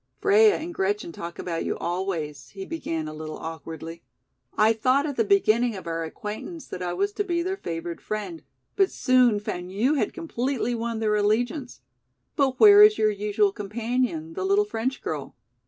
"Freia and Gretchen talk about you always," he began a little awkwardly. "I thought at the beginning of our acquaintance that I was to be their favored friend, but soon found you had completely won their allegiance. But where is your usual companion, the little French girl?"